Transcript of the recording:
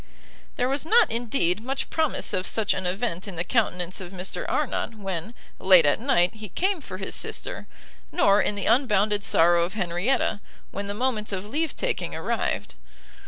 There was not, indeed, much promise of such an event in the countenance of Mr Arnott, when, late at night, he came for his sister, nor in the unbounded sorrow of Henrietta, when the moment of leave taking arrived.